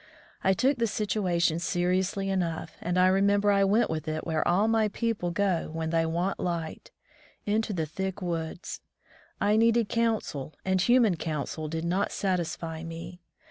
I took the situation seriously enough, and I remember I went with it where all my people go when they want light — into the thick woods. I needed counsel, and human counsel did not satisfy me.